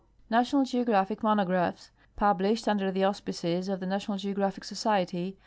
National Geographic Monographs, published under the auspices of the National Geographic Society.